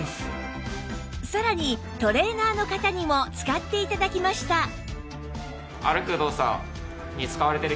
さらにトレーナーの方にも使って頂きました